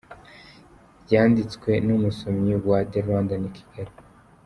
Yanditswe n’Umusomyi wa The Rwandan i Kigali